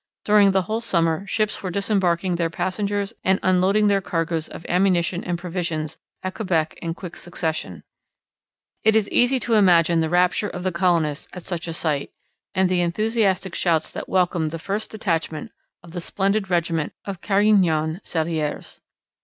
During the whole summer ships were disembarking their passengers and unloading their cargoes of ammunition and provisions at Quebec in quick succession. It is easy to imagine the rapture of the colonists at such a sight, and the enthusiastic shouts that welcomed the first detachment of the splendid regiment of Carignan Salieres.